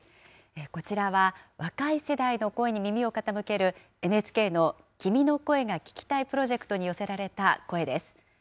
こちらは、若い世代の声に耳を傾けるＮＨＫの、君の声が聴きたいプロジェクトに寄せられた声です。